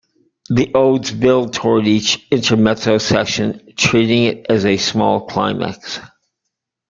The odes build toward each intermezzo section, treating it as a small climax.